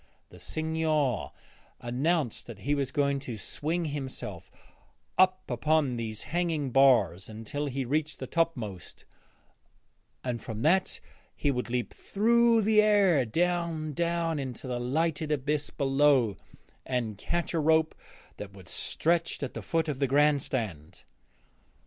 'The Signor' announced that he was going to swing himself up upon these hanging bars until he reached the topmost, and from that he would leap through the air down, down into the lighted abyss below, and catch a rope that was stretched at the foot of the Grand Stand.